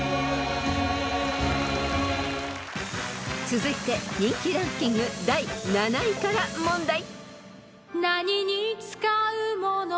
［続いて人気ランキング第７位から問題］